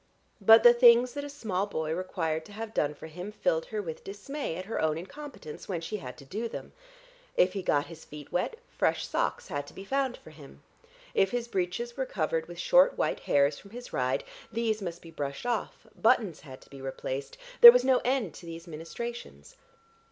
But the things that a small boy required to have done for him filled her with dismay at her own incompetence, when she had to do them. If he got his feet wet, fresh socks had to be found for him; if his breeches were covered with short white hairs from his ride, these must be brushed off; buttons had to be replaced; there was no end to these ministrations.